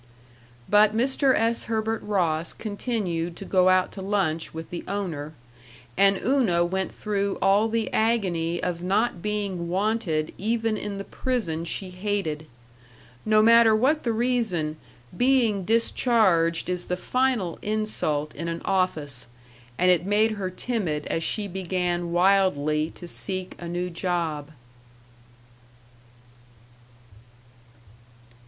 But Mr. S. Herbert Ross continued to go out to lunch with the owner, and Una went through all the agony of not being wanted even in the prison she hated. No matter what the reason, being discharged is the final insult in an office, and it made her timid as she began wildly to seek a new job.